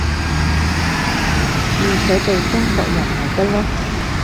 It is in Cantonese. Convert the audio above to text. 叫佢哋中國人咪得囉